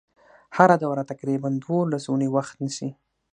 هره دوره تقریبا دولس اونۍ وخت نیسي.